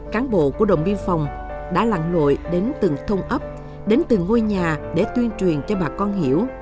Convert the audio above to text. cán bộ của đồng biên phòng đã lặn lội đến từng thôn ấp đến từng ngôi nhà để tuyên truyền cho bà con hiểu